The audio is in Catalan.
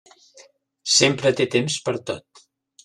Sempre té temps per a tot.